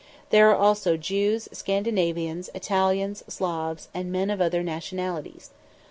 There are also Jews, Scandinavians, Italians, Slavs, and men of other nationalities.